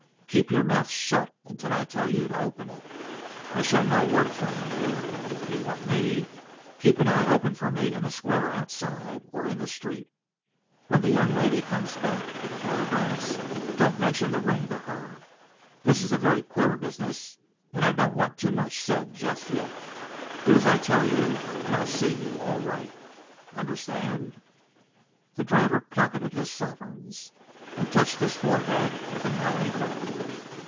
Keep your mouth shut until I tell you to open it I shall know where to find you. If you want me, keep an eye open for me in the square outside, or in the street. When the young lady comes back with the photographs, don't mention the ring to her. This is a very queer business, and I don't want too much said just yet. Do as I tell you, and I'll see you're all right. Understand?" The driver pocketed his sovereigns, and touched his forehead with a knowing look.